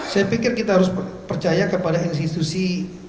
saya pikir kita harus percaya kepada institusi